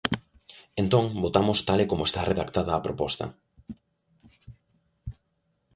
Entón, votamos tal e como está redactada a proposta.